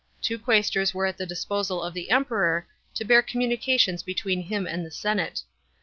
Two quaestors were at the disposal of the Emperor, to bear communications between him and the senate.